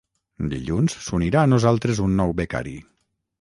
Dilluns s'unirà a nosaltres un nou becari.